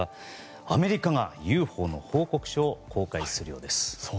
アメリカがＵＦＯの報告書を公開するようです。